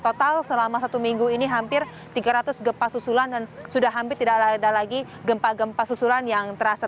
total selama satu minggu ini hampir tiga ratus gempa susulan dan sudah hampir tidak ada lagi gempa gempa susulan yang terasa